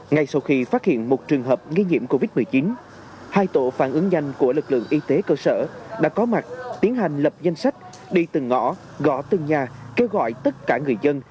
ngay sau khi phát hiện một trường hợp nghi nhiễm covid một mươi chín hai tổ phản ứng nhanh của lực lượng y tế cơ sở đã có mặt tiến hành lập danh sách đi từng ngõ gõ từng nhà kêu gọi tất cả người dân